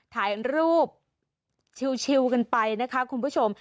ถ่ายรูปชิลล์ชิลล์กันไปนะคะคุณผู้ชม